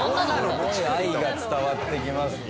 すごい愛が伝わってきますね。